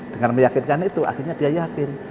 dengan meyakinkan itu akhirnya dia yakin